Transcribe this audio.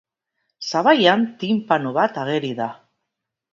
Sabaian tinpano bat ageri da.